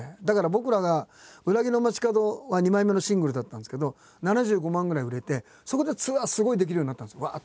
だから僕らが「裏切りの街角」が２枚目のシングルだったんですけど７５万ぐらい売れてそこでツアーすごいできるようになったんですよ